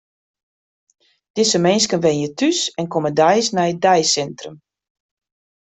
Dizze minsken wenje thús en komme deis nei it deisintrum.